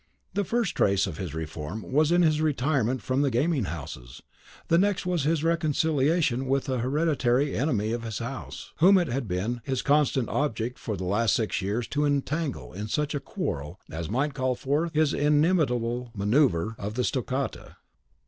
The first trace of his reform was in his retirement from the gaming houses; the next was his reconciliation with an hereditary enemy of his house, whom it had been his constant object for the last six years to entangle in such a quarrel as might call forth his inimitable manoeuvre of the stoccata.